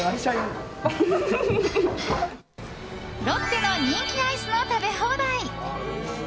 ロッテの人気アイスの食べ放題。